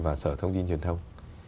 và sở thông tin truyền thông